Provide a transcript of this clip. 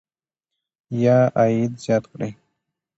یا عاید زیات کړئ.